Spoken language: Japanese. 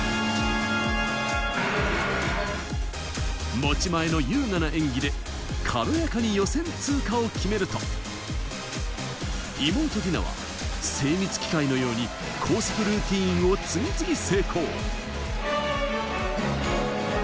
持ち前の優雅な演技で、軽やかに予選通過を決めると、妹・ディナは、精密機械のように高速ルーティーンを次々成功。